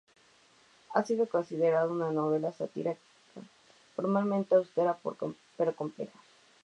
Ha sido considerada una novela satírica, formalmente austera pero compleja.